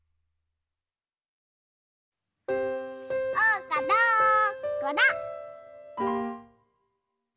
・おうかどこだ？